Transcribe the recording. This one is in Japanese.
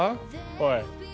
おい。